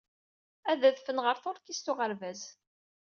Ad adfen ɣer tuṛkist n uɣerbaz.